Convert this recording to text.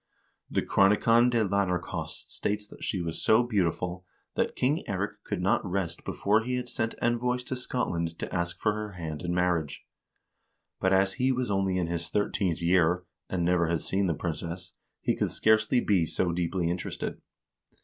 The "Chronicon de Lanercost" * states that she was so beautiful that King Eirik could not rest before he had sent envoys to Scotland to ask for her hand in marriage; but as he was only in his thirteenth year, and never had seen the princess, he could scarcely be so deeply interested.